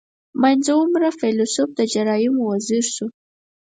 • منځ عمره فېلېسوف د جرایمو وزیر شو.